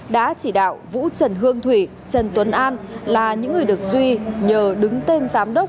đã chỉ đạo vũ trần hương thủy trần tuấn an là những người được duy nhờ đứng tên giám đốc